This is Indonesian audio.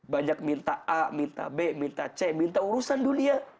banyak minta a minta b minta c minta urusan dunia